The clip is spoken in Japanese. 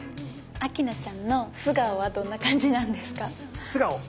明菜ちゃんの素顔はどんな感じなんですか？